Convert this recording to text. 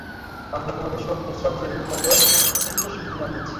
আমরা তোমাকে সবচেয়ে বিখ্যাত চিত্রশিল্পী বানিয়েছি।